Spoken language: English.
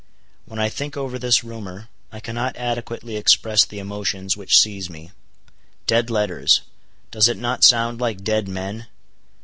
When I think over this rumor, I cannot adequately express the emotions which seize me. Dead letters! does it not sound like dead men?